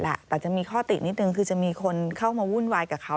แต่จะมีข้อตินิดนึงคือจะมีคนเข้ามาวุ่นวายกับเขา